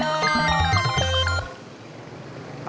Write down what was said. terima kasih komandan